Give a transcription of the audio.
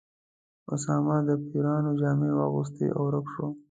اسامه د پیریانو جامې واغوستې او ورک شو.